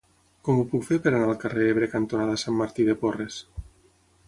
Com ho puc fer per anar al carrer Ebre cantonada Sant Martí de Porres?